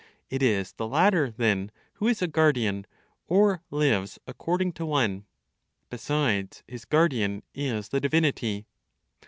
It is the latter, then, who is a guardian, or lives according to one; besides, his guardian is the divinity.